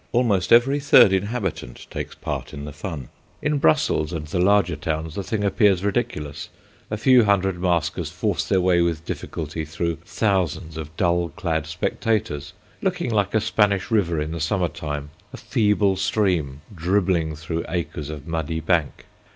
Almost every third inhabitant takes part in the fun. In Brussels and the larger towns the thing appears ridiculous. A few hundred maskers force their way with difficulty through thousands of dull clad spectators, looking like a Spanish river in the summer time, a feeble stream, dribbling through acres of muddy bank.